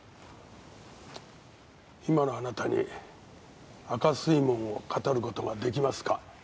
今のあなたに「赤水門」を語ることができますか？